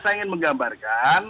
saya ingin menggambarkan